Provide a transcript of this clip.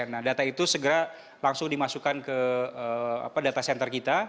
nah data itu segera langsung dimasukkan ke data center kita